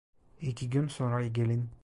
İki gün sonra gelin!